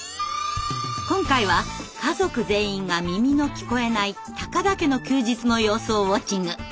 今回は家族全員が耳の聞こえない田家の休日の様子をウォッチング。